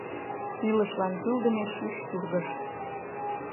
илышлан кӱлдымӧ чуч тургыж.